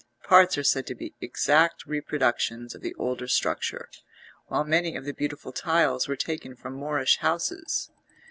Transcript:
Parts are said to be exact reproductions of the older structure, while many of the beautiful tiles were taken from Moorish houses.